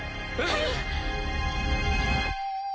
はい。